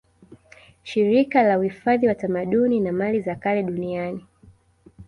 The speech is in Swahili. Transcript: Shirika la uifadhi wa tamaduni na mali za kale Duniani